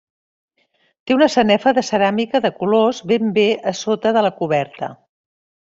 Té una sanefa de ceràmica de colors ben bé a sota de la coberta.